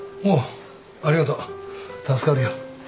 おうありがとう助かるよ。